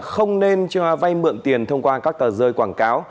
không nên cho vay mượn tiền thông qua các tờ rơi quảng cáo